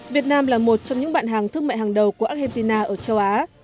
việt nam là một trong những bạn hàng thương mại hàng đầu của argentina ở châu á